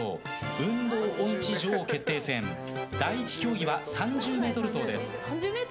運動音痴女王決定戦第１競技は３０ｍ走です。